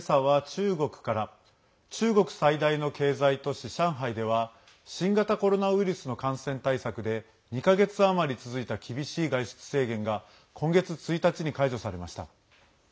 中国最大の経済都市・上海では新型コロナウイルスの感染対策で２か月余り続いた厳しい外出制限が今月１日に解除されました。